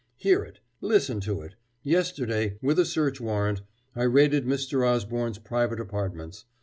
Hear it listen to it yesterday, with a search warrant, I raided Mr. Osborne's private apartments.